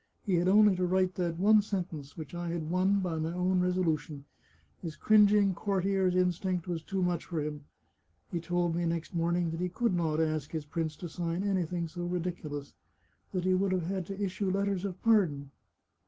He had only to write that one sentence, which I had won by my own resolution. His cringing courtier's instinct was too much for him. He told me next morning that he could not ask his prince to sign anything so ridiculous — that he would have had to issue letters of pardon.